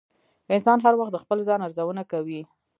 انسان هر وخت د خپل ځان ارزونه کوي.